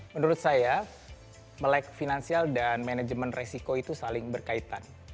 menurut saya melek finansial dan manajemen resiko itu saling berkaitan